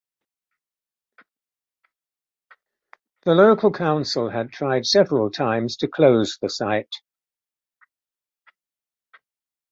The local council had tried several times to close the site.